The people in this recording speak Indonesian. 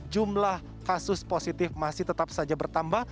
jumlah kasus positif masih tetap saja bertambah